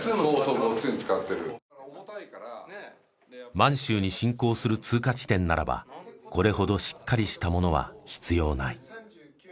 満州に侵攻する通過地点ならばこれほどしっかりしたものは必要ない。